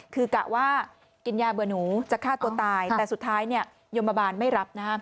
คือกะว่ากินยาเบื่อหนูจะฆ่าตัวตายแต่สุดท้ายยมบาลไม่รับ